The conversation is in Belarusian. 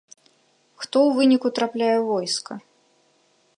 Хто ў выніку трапляе ў войска?